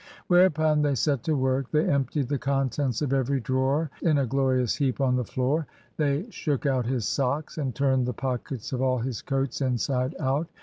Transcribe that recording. Whereupon they set to work. They emptied the contents of every drawer in a glorious heap on the floor. They shook out his socks, and turned the pockets of all his coats inside out.